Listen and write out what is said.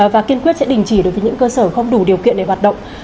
và kiên quyết sẽ đình chỉ đối với những cơ sở không đủ điều kiện để hoạt động